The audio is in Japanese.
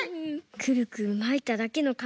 クルクルまいただけのかみがたてにも。